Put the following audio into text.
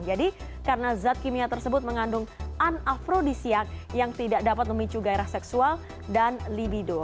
jadi karena zat kimia tersebut mengandung anafrodisiak yang tidak dapat memicu gairah seksual dan libidin